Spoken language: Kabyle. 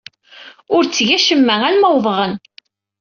Ur tteg acemma arma uwḍeɣ-n.